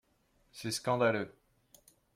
C’est scandaleux